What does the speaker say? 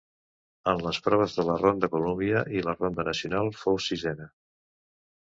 En les proves de la ronda Columbia i ronda Nacional fou sisena.